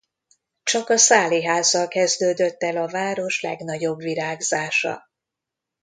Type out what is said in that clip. Csak a Száli-házzal kezdődött el a város legnagyobb virágzása.